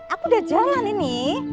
aku udah jalan ini